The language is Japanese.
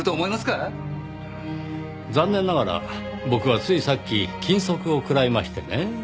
残念ながら僕はついさっき禁足を食らいましてねぇ。